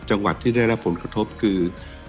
จังหวัดที่ได้รับผลกระทบคือ